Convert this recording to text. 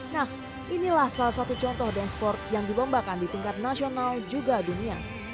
nah inilah salah satu contoh danceport yang dibombakan di tingkat nasional juga dunia